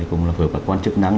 cũng là hội hợp các quan chức năng